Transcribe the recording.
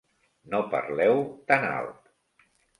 No parleu tan alt.